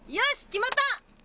決まった！